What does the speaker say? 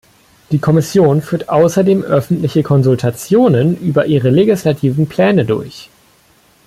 Die Kommission führt außerdem öffentliche Konsultationen über ihre legislativen Pläne durch.